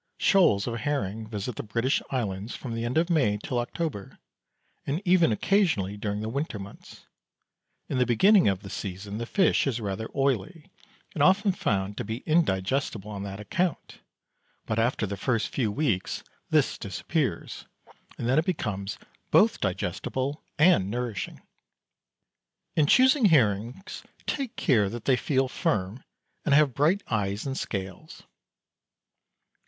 Shoals of herring visit the British Islands from the end of May till October, and even occasionally during the winter months. In the beginning of the season the fish is rather oily, and often found to be indigestible on that account, but after the first few weeks this disappears, and then it becomes both digestible and nourishing. In choosing herrings take care that they feel firm, and have bright eyes and scales.